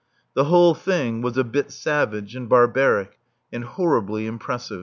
The whole thing was a bit savage and barbaric and horribly impressive.